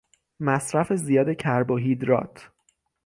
مصرف زیاد کربوهیدرات